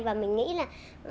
và mình nghĩ là